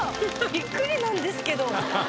びっくりなんですけど。